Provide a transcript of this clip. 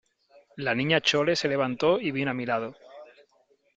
la Niña Chole se levantó y vino a mi lado .